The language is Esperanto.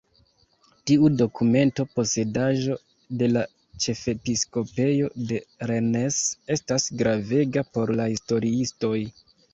Tiu dokumento, posedaĵo de la ĉefepiskopejo de Rennes, estas gravega por la historiistoj.